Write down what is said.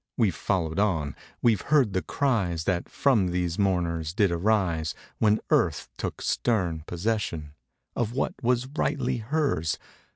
We've followed on. We've heard the cries That from these mourners did arise When Earth took stern possession Of what was rightly hers.